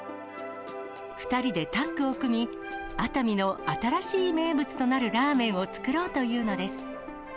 ２人でタッグを組み、熱海の新しい名物となるラーメンを作ろうというのです。